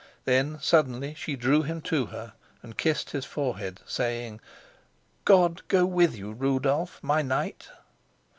Then suddenly she drew him to her and kissed his forehead, saying: "God go with you, Rudolf my knight."